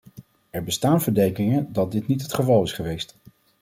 Er bestaan verdenkingen dat dit niet het geval is geweest.